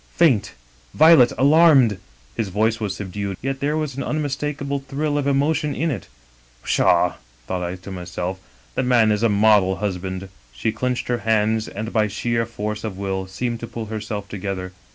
faint, Violet, alarmed!' His voice was sub dued, yet there was an unmistakable thrill of emotion in it. "' Pshaw 1' thought I to myself, 'the man is a model husband.' " She clinched her hands, and by sheer force of will seemed to pull herself together.